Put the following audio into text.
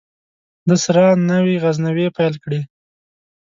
دسره نوي غزونې پیل کړي